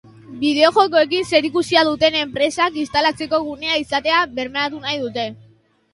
Bideojokoekin zerikusia duten enpresak instalatzeko gunea izatea bermatu nahi dute.